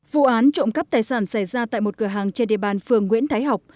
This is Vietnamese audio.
vụ án trộm cắp tài sản xảy ra tại một cửa hàng trên địa bàn phường nguyễn thái học